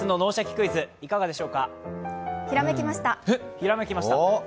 ひらめきました。